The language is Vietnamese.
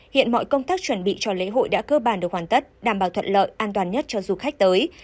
hiện mọi công tác chuẩn bị cho lễ hội đã cơ bản được hoàn tất đảm bảo thuận lợi an toàn nhất cho du khách tới